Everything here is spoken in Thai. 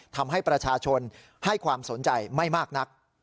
ทำให้ประชาชนให้ความสนใจไม่มากนัก